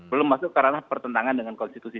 belum masuk ke ranah pertentangan dengan konstitusi